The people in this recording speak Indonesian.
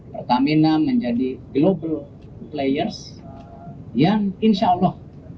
pertamina menjadi global players yang insya allah